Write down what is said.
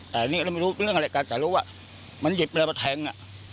แต่นี่ก็ไม่รู้เป็นเรื่องอะไรกันแต่รู้ว่ามันหยิบไปแล้วก็แทงอ่ะ